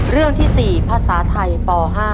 เรื่องที่๔ภาษาไทยป๕